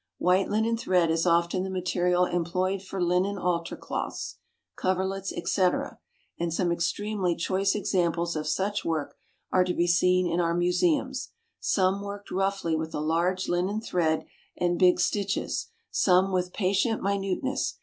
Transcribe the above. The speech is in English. White linen thread is often the material employed for linen altar cloths, coverlets, etc., and some extremely choice examples of such work are to be seen in our museums, some worked roughly with a large linen thread and big stitches, some with patient minuteness.